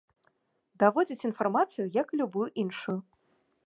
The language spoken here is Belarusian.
Даводзіць інфармацыю, як і любую іншую.